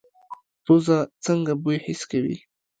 پوزه څنګه بوی حس کوي؟